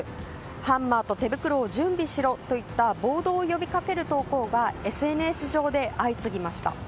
ハンマーと手袋を準備しろといった暴動を呼びかける投稿がＳＮＳ上で相次ぎました。